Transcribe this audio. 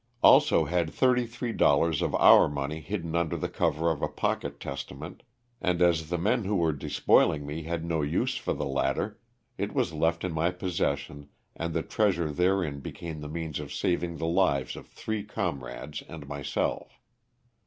Also had thirty three dollars of our money hidden under the cover of a pocket testament and as the men who were despoiling me had LOSS OF THE SULTAISTA. 179 no use for the latter it was left in my possession and the treasure therein became the means of saving the lives of three comrades and myself.